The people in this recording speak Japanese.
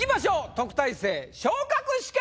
特待生昇格試験！